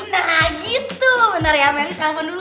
nah gitu bentar ya meli aku telepon dulu